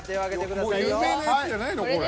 もう有名なやつじゃないのこれ。